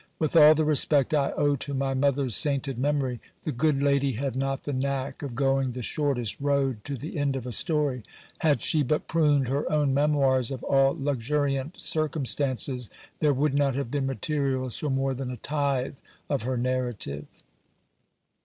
With all the respect I owe to my mother's sainted memory, the good lady had not the knack of going the shortest road to the end of a story ; had she but pruned her own memoirs of all luxuriant circumstances, there would not have been materials for more than a tithe of her narrative.